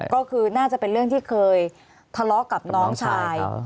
ก็คือน่าจะเป็นเรื่องที่เคยทะเลาะกับน้องชาย